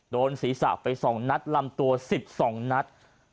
โดนศีรษะไป๒นัดลำตัว๑๒นัด